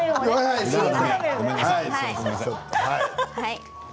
すみません。